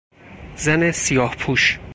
زن سیاهپوش